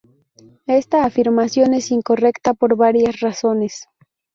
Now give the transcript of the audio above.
Esta afirmación es incorrecta por varias razones.